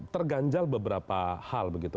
terganjal beberapa hal begitu